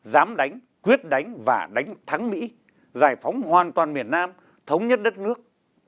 dám đánh quyết đánh và đánh thắng mỹ giải phóng hoàn toàn miền nam thống nhất đất nước